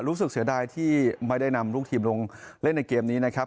รู้สึกเสียดายที่ไม่ได้นำลูกทีมลงเล่นในเกมนี้นะครับ